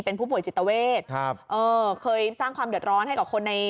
เป็นผู้ป่วยจิตเวทครับเออเคยสร้างความเดือดร้อนให้กับคนใน